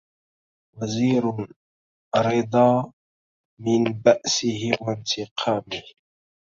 وزير رضى من بأسه وانتقامه